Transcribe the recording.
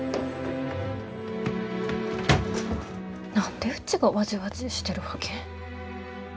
何でうちがわじわじーしてるわけ？